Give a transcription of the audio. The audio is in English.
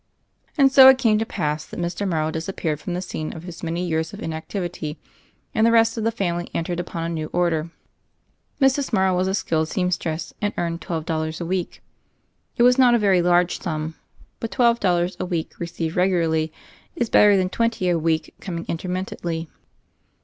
And so it came to pass that Mr. Morrow disappeared from the scene of his many years of inactivity, and the rest of the family entered upon a new order. Mrs. Morrow was a skilled seamstress and earned twelve dollars a week. It was not a veiy large sum; but twelve dollars a week received regularly is better than twenty a week coming intermittently.